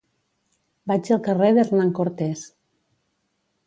Vaig al carrer d'Hernán Cortés.